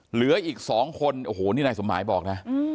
เหลืออีก๒คนโอ้โหนี่นายสมหมายบอกนะ